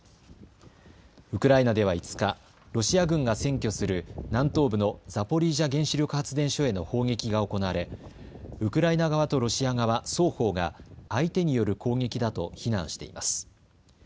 ウクライナでは５日、ロシア軍が占拠する南東部のザポリージャ原子力発電所への砲撃が行われウクライナ側とロシア側、双方が相手による攻撃だと非難しています。